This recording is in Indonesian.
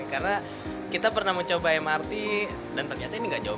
karena kita pernah mencoba mrt dan ternyata ini nggak jauh